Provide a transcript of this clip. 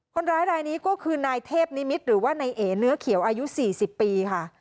คนร้ายรายนี้ก็คือนายเทพนิมิตรหรือว่านายเอ๋เนื้อเขียวอายุ๔๐ปีค่ะ